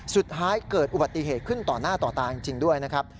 สุดท้ายเกิดอุบัติเหตุขึ้นต่อหน้าต่อตาจริงด้วยนะครับ